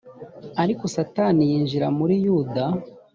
ariko satani yinjira muri yuda